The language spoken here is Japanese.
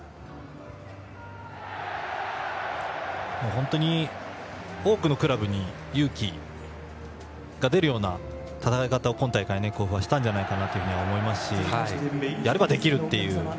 本当に多くのクラブが勇気が出るような戦い方を今大会甲府はしたんじゃないかと思いますしやればできるという。